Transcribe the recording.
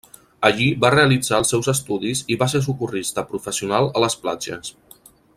Allí va realitzar els seus estudis i va ser socorrista professional a les platges.